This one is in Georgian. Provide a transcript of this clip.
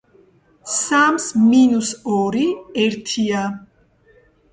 სამს მინუს ორი ერთია.